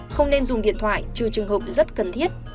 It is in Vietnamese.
không nên dùng điện thoại trừ trường hợp rất cần thiết